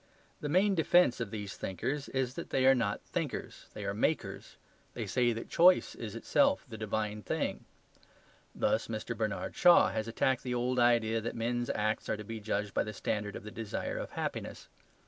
The main defence of these thinkers is that they are not thinkers; they are makers. They say that choice is itself the divine thing. Thus Mr. Bernard Shaw has attacked the old idea that men's acts are to be judged by the standard of the desire of happiness.